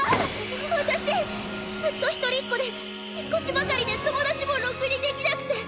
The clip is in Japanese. わ私ずっと一人っ子で引っ越しばかりで友達もろくにできなくて。